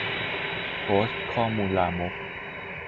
โพสต์ข้อมูลลามก